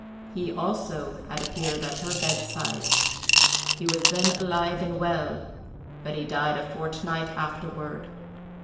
He, also, had appeared at her bedside; he was then alive and well, but he died a fortnight afterward.